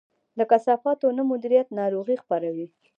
د کثافاتو نه مدیریت ناروغي خپروي.